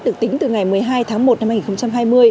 được tính từ ngày một mươi hai tháng một năm hai nghìn hai mươi